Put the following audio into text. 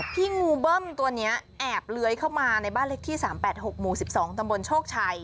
งูเบิ้มตัวนี้แอบเลื้อยเข้ามาในบ้านเลขที่๓๘๖หมู่๑๒ตำบลโชคชัย